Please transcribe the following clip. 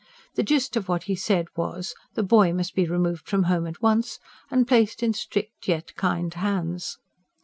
The gist of what he said was, the boy must be removed from home at once, and placed in strict, yet kind hands.